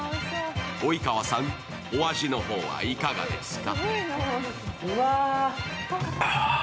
及川さん、お味の方はいかがですか？